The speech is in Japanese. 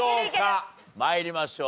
参りましょう。